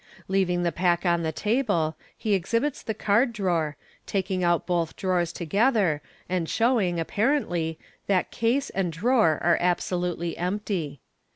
Leaving the pack on the table, he exhibits the card drawer, taking out both drawers together, and showing, appa rently, that case and drawer are absolutely empty.